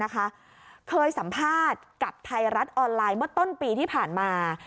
เคยสัมภาษณ์กับไทยรัฐออนไลน์เมื่อต้นปีที่ผ่านมา